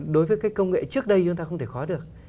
đối với cái công nghệ trước đây chúng ta không thể có được